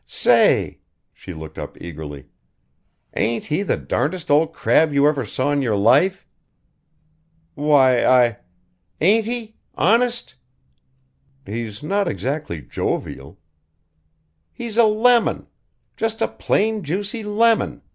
Say " she looked up eagerly "ain't he the darndest old crab you ever saw in your life?" "Why, I " "Ain't he? Honest?" "He's not exactly jovial." "He's a lemon! Just a plain juicy lemon.